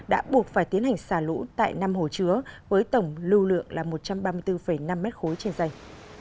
đã buộc phải tiến hành xả lũ tại năm hồ chứa với tổng lưu lượng là một trăm ba mươi bốn năm m ba trên dây